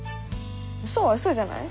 ウソはウソじゃない？